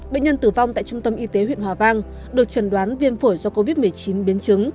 bệnh nhân tử vong tại trung tâm y tế huyện hòa vang được trần đoán viêm phổi do covid một mươi chín biến chứng